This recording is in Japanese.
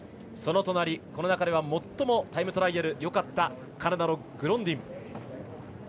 この中では最もタイムトライアルがよかったカナダのグロンディン。